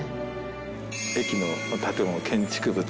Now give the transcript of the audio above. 駅の建物建築物